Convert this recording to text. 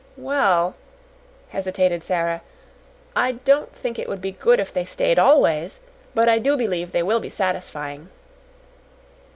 "Well," hesitated Sara, "I don't think it would be good if they stayed always, but I do believe they will be satisfying."